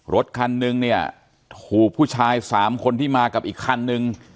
รถคันนึงเนี่ยถูกผู้ชาย๓คนที่มากับอีกคันนึง